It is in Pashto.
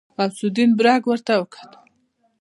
غوث الدين برګ ورته وکتل.